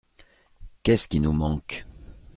Qu’est-ce qui nous manque ?…